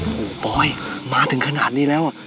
โอ้โหปอยมาถึงขนาดนี้แล้ว